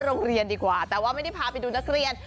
โรงเรียนดีกว่าแต่ว่าไม่ได้พาไปดูนักเรียน